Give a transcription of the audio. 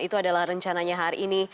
itu adalah rencananya hari ini